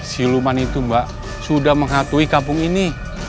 siluman itu mbak sudah menghatui kampung ini